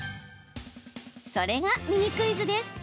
それがミニクイズ。